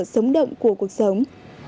sống động của cuộc sống